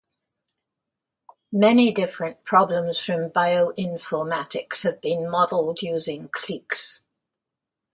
Many different problems from bioinformatics have been modeled using cliques.